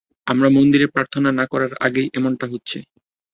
আমরা মন্দিরে প্রার্থনা না করার কারণেই এমনটা হচ্ছে।